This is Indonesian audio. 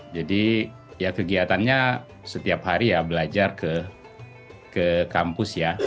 jadi ya kegiatannya setiap hari ya belajar ke kampus ya